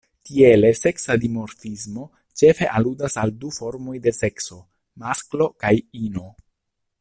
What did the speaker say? Tiele, seksa dimorfismo ĉefe aludas al du formoj de sekso, masklo kaj ino.